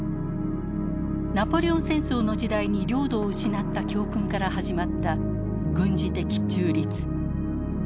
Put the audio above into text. ナポレオン戦争の時代に領土を失った教訓から始まった軍事的中立。